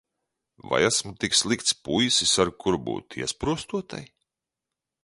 Vai esmu tik slikts puisis, ar kuru būt iesprostotai?